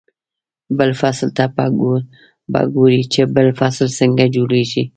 بل فصل ته به ګوري چې بل فصل څنګه جوړېږي.